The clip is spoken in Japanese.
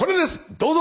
どうぞ！